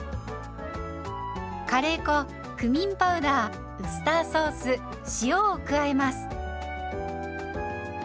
カレー粉クミンパウダーウスターソース塩を加えます。